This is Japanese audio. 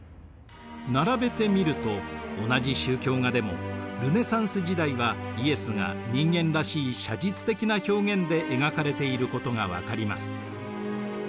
並べてみると同じ宗教画でもルネサンス時代はイエスが人間らしい写実的な表現で描かれていることが分かります。